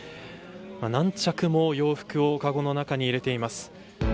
何着も洋服をかごの中に入れています。